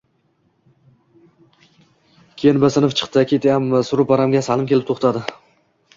Keyin “B” sinf chiqdi. Ketyapmiz. Roʻparamga Salim kelib toʻxtadi: